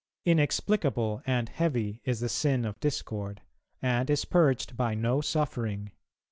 Inexplicable and heavy is the sin of discord, and is purged by no suffering